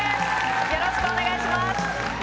よろしくお願いします。